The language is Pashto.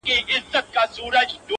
په نامه د شیرنۍ حرام نه خورمه-